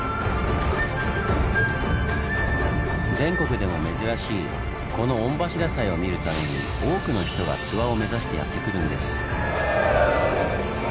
全国でも珍しいこの御柱祭を見るために多くの人が諏訪を目指してやって来るんです。